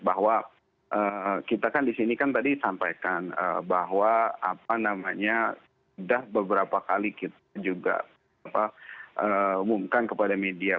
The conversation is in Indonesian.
bahwa kita kan di sini kan tadi sampaikan bahwa sudah beberapa kali kita juga umumkan kepada media